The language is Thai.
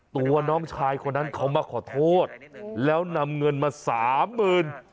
ตัวน้องชายคนนั้นเขามาขอโทษแล้วนำเงินมาสามหมื่น